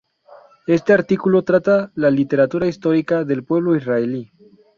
Este artículo trata la literatura histórica del pueblo israelí.